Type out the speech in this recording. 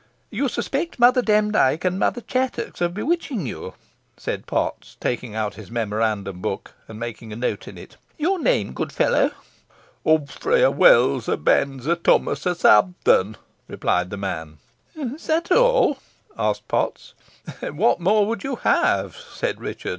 "You suspect Mother Demdike and Mother Chattox of bewitching you," said Potts, taking out his memorandum book, and making a note in it. "Your name, good fellow?" "Oamfrey o' Will's o' Ben's o' Tummas' o' Sabden," replied the man. "Is that all?" asked Potts. "What more would you have?" said Richard.